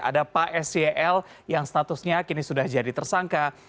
ada pak sel yang statusnya kini sudah jadi tersangka